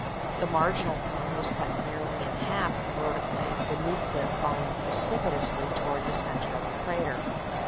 The marginal cone was cut nearly in half vertically, the new cliff falling precipitously toward the centre of the crater.